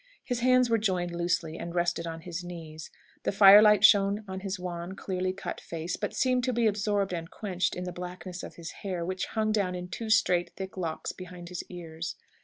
His hands were joined loosely, and rested on his knees. The firelight shone on his wan, clearly cut face, but seemed to be absorbed and quenched in the blackness of his hair, which hung down in two straight, thick locks behind his ears.